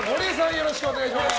よろしくお願いします。